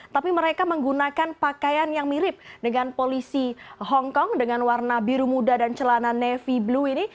tapi mereka menggunakan pakaian yang mirip dengan polisi hongkong dengan warna biru muda dan celana navy blue ini